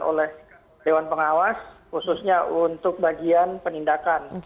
oleh dewan pengawas khususnya untuk bagian penindakan